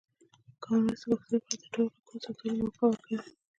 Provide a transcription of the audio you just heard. کامن وایس د پښتو لپاره د ټولو غږونو ثبتولو موقع ورکوي.